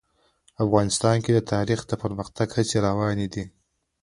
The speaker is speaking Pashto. افغانستان کې د تاریخ د پرمختګ هڅې روانې دي.